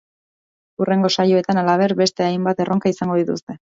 Hurrengo saioetan, halaber, beste hainbat erronka izango dituzte.